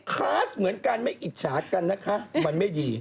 คลาสเหมือนกันไม่อิจฉากันนะคะมันไม่ดี